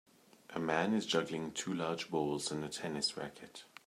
A man is juggling two large balls and a tennis racket.